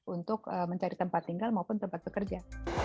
untuk mencari tempat tinggal maupun tempat bekerja